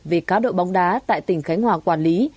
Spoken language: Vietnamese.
về cáo độ bóng đá tại tỉnh khánh hòa quản lý